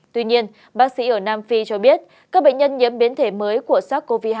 tuy nhiên bác sĩ ở nam phi cho biết các bệnh nhân nhiễm biến thể mới của sars cov hai